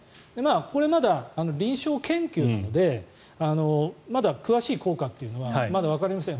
これはまだ臨床研究なのでまだ詳しい効果というのはまだわかりません。